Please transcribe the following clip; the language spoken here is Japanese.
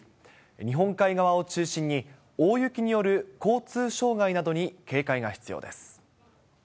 日本海側を中心に、大雪による交通障害などに警戒が必要です。